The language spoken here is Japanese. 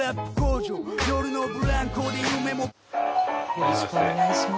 よろしくお願いします。